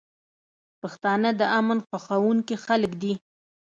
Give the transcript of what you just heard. پښتانه د امن خوښونکي خلک دي.